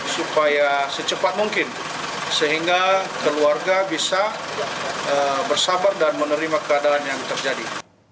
supaya secepat mungkin sehingga keluarga bisa bersabar dan menerima keadaan yang terjadi